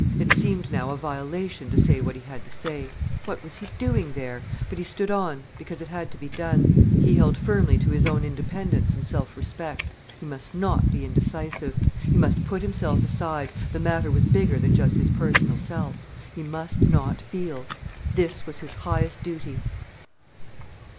It seemed now a violation to say what he had to say. What was he doing there? But he stood on, because it had to be done. He held firmly to his own independence and self respect. He must not be indecisive. He must put himself aside: the matter was bigger than just his personal self. He must not feel. This was his highest duty.